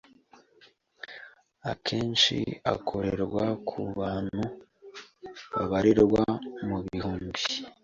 akenshi akorerwa ku bantu babarirwa mu bihumbi